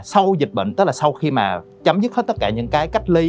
sau dịch bệnh tức là sau khi mà chấm dứt hết tất cả những cái cách ly